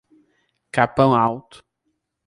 Capão Alto